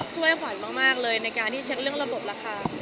ช่วยขวัญมากเลยในการที่เช็คเรื่องระบบราคา